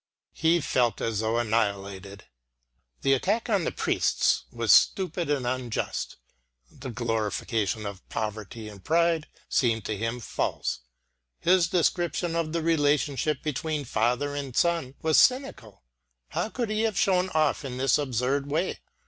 He felt as though annihilated. The attack on the priests was stupid and unjust; the glorification of poverty and pride seemed to him false, his description of the relationship between father and son was cynical. How could he have shown off in this absurd way?